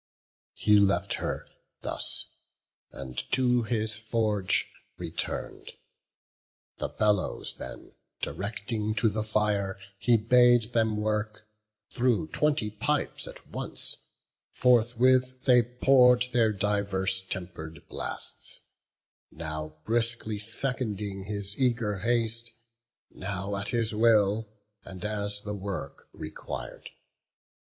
He left her thus, and to his forge return'd; The bellows then directing to the fire, He bade them work; through twenty pipes at once Forthwith they pour'd their diverse temper'd blasts; Now briskly seconding his eager haste, Now at his will, and as the work requir'd.